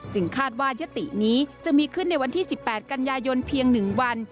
คาดว่ายตินี้จะมีขึ้นในวันที่๑๘กันยายนเพียง๑วัน